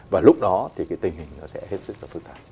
và lúc đó thì cái tình hình nó sẽ hết sức là phức tạp